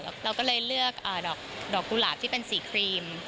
เราก็เลยเลือกดอกกุหลาบที่เป็นสีครีม